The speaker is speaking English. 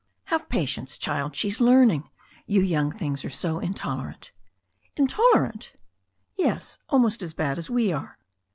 "Have patience, child. She's learning. You young things are so intolerant." "Intolerant I" "Yes, almost as bad as we are."